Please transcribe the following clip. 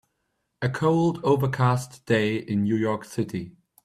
A cold overcast day in New York City.